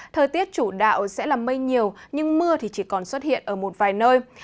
thời tiết chủ đạo sẽ là mây nhiều nhưng mưa thì chỉ còn xuất hiện ở một vài nơi